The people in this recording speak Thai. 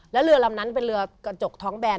แล้วเรือลำนั้นเป็นเรือกระจกท้องแบน